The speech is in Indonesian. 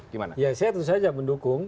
gimana ya saya tentu saja mendukung